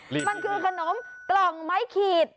มันคือขนมกลองไม้ขีด